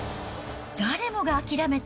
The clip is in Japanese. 誰もが諦めた